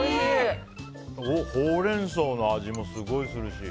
ホウレンソウの味もすごいするし。